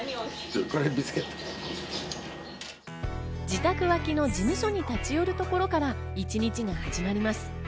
自宅脇の事務所に立ち寄るところから、一日が始まります。